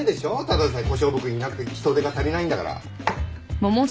ただでさえ小勝負君いなくて人手が足りないんだから。